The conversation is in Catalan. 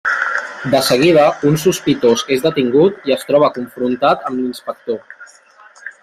De seguida, un sospitós és detingut i es troba confrontat amb l'inspector.